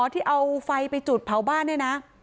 ที่เอาไฟไปจุดเผาบ้านเนี่ยนะ